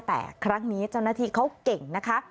แต่ครั้งนี้เจ้าหน้าที่เขาเก่งนะคะ